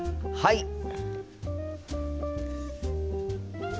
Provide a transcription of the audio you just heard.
はい！